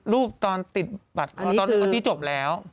รูปตอนติดบัตรที่จบแล้ว